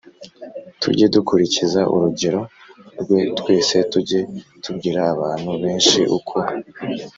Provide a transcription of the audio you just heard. tujye dukurikiza urugero rwe Twese tujye tubwira abantu benshi uko